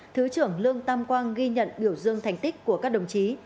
thứ trưởng lương tam quang ghi nhận biểu dương thành tích của các đồng chí